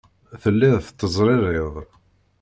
Telliḍ tettezririḍ.